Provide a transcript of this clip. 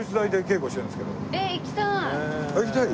えっ行きたい！